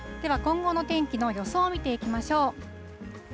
では、今後の天気の予想を見ていきましょう。